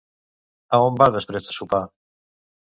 A on va després de sopar?